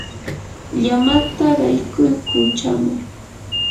llamata qaykuy kunchaman.